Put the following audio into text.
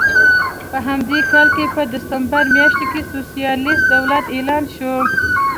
په همدې کال په ډسمبر میاشت کې سوسیالېست دولت اعلان شو.